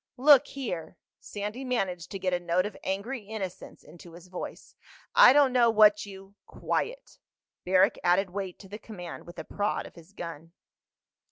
"Look here!" Sandy managed to get a note of angry innocence into his voice. "I don't know what you—" "Quiet." Barrack added weight to the command with a prod of his gun.